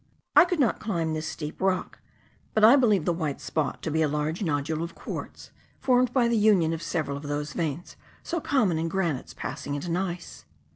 I could not climb this steep rock, but I believe the white spot to be a large nodule of quartz, formed by the union of several of those veins so common in granites passing into gneiss.